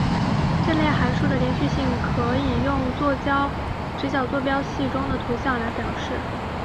这类函数的连续性可以用直角坐标系中的图像来表示。